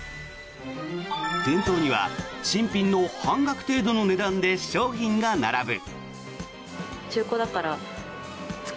店頭には新品の半額程度の値段で商品が並ぶ。